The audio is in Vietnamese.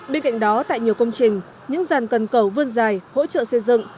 bên cạnh đó tại nhiều công trình những dàn cần cầu vươn dài hỗ trợ xây dựng